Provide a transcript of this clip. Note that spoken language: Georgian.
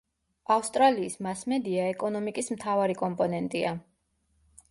ავსტრალიის მასმედია ეკონომიკის მთავარი კომპონენტია.